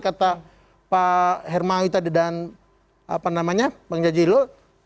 bapak hermawi tadi dan bang jajilo